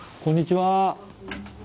こんにちは。